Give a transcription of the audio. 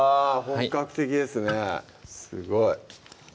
本格的ですねすごい